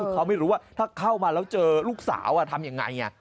เขาไม่รู้ว่าถ้าเข้ามาแล้วเจอลูกสาวทำยังไง